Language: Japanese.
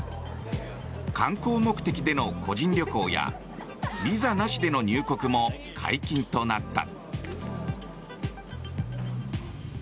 観光目的での個人旅行やビザなしでの入国も解禁となった。